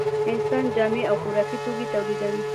انسان جامې او خوراکي توکي تولیدوي